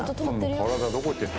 体どこ行ってるの？